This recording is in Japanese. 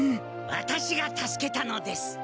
ワタシが助けたのです。